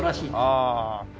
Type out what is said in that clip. ああ。